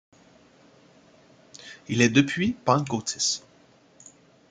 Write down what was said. Il est depuis pentecôtiste.